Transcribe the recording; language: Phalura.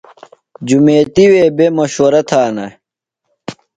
جُمیتیۡ وے بےۡ مشورہ تھانہ